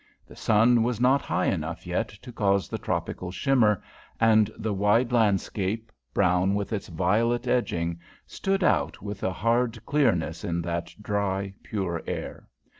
The sun was not high enough yet to cause the tropical shimmer, and the wide landscape, brown with its violet edging, stood out with a hard clearness in that dry, pure air.